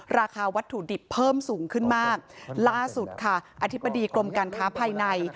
ราคาวัตถุดิบเพิ่มสูงขึ้นมากล่าสุดค่ะอธิบดีกรมการค้าภายใน